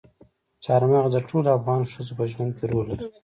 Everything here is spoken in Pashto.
چار مغز د ټولو افغان ښځو په ژوند کې رول لري.